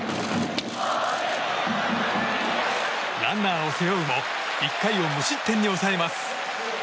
ランナーを背負うも１回を無失点に抑えます。